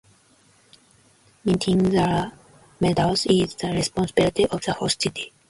Minting the medals is the responsibility of the host city.